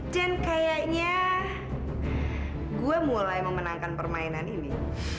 dan kayaknya gue mulai memenangkan permainan ini